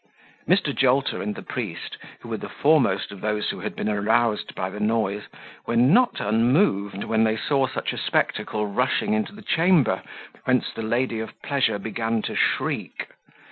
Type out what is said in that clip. Mr. Jolter and the priest, who were the foremost of those who had been aroused by the noise, were not unmoved when they saw such a spectacle rushing into the chamber, whence the lady of pleasure began to shriek.